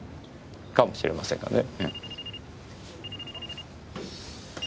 かもしれませんがね。